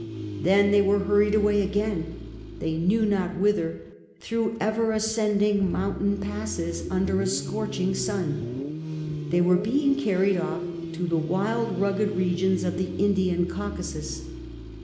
Then they were hurried away again, they knew not whither, through ever ascending mountain passes, under a scorching sun. They were being carried off to the wild rugged regions of the Indian Cau casus.